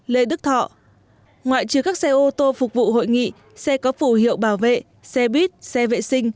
lê đức thọ ngoại trừ các xe ô tô phục vụ hội nghị xe có phủ hiệu bảo vệ xe buýt xe vệ sinh